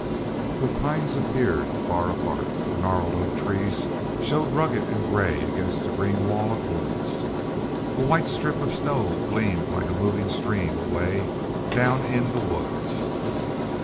The pines appeared far apart; gnarled oak trees showed rugged and gray against the green wall of woods. A white strip of snow gleamed like a moving stream away down in the woods.